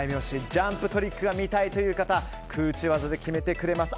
ジャンプトリックが見たいという方空中技で決めていただきます